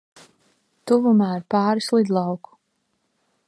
Tuvumā ir pāris lidlauku.